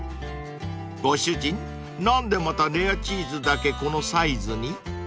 ［ご主人何でまたレアチーズだけこのサイズに？］